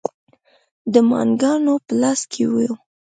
د ماڼوګانو په لاس کې و.